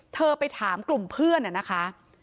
เธอไปถามกลุ่มเพื่อนนะคะ